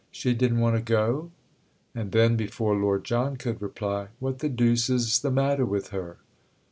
"She didn't want to go?" And then before Lord John could reply: "What the deuce is the matter with her?"